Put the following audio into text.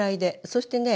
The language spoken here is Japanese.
そしてね